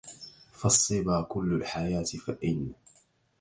فالصبا كلُّ الحياةِ فإن